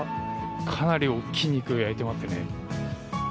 かなり大きい肉を焼いています。